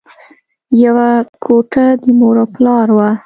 یوه کوټه د مور او پلار وه